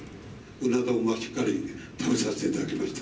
うな丼はしっかり食べさせていただきました。